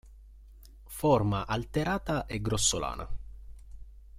Forma alterata e grossolana.